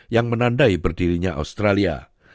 yang menandai berdirinya australia